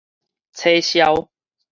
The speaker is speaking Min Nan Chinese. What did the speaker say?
扯消